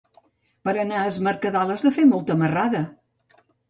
Per anar a Es Mercadal has de fer molta marrada.